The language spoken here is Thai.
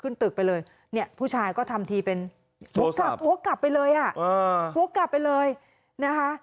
ตึกไปเลยเนี่ยผู้ชายก็ทำทีเป็นวกกลับหัวกลับไปเลยอ่ะวกกลับไปเลยนะคะ